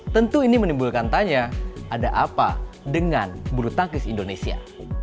tentu ini menimbulkan tanya ada apa dengan bulu tangkis indonesia